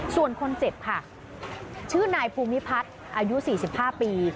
ส่วนคนเจ็บค่ะชื่อนายภูมิพัฒน์อายุ๔๕ปี